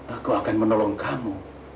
aku akan menolong kamu